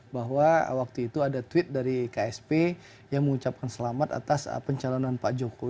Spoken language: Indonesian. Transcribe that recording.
bahwa waktu itu ada tweet dari ksp yang mengucapkan selamat atas pencalonan pak jokowi